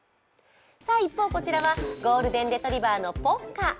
一方、こちらはゴールデンレトリーバーのポッカ。